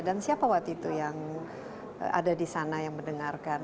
dan siapa waktu itu yang ada di sana yang mendengarkan